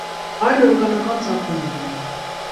Այն օրգանական ծագում ունի։